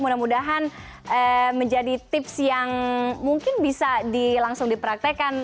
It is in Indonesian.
mudah mudahan menjadi tips yang mungkin bisa langsung dipraktekan